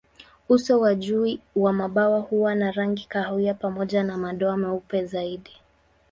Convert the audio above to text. Uso wa juu wa mabawa huwa na rangi kahawia pamoja na madoa meupe zaidi.